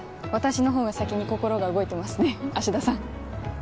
私のほうが先に心が動いてますね芦田さん